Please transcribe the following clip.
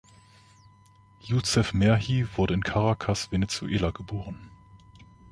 Yucef Merhi wurde in Caracas, Venezuela, geboren.